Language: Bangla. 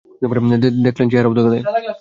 দেখলে, চেহারাও ধোকা দেয়।